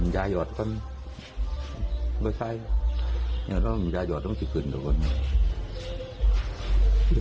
อย่าหยอดก่อนไม่ใช่อย่าหยอดต้องถึงคุณลุงคนนี้